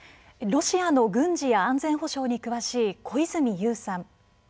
ロシアの軍事や安全保障に詳しい小泉悠さん